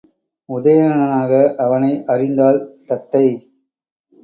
உதயணனாக அவனை அறிந்தாள் தத்தை.